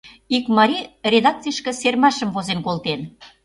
Ик марий редакцийышке серымашым возен колтен.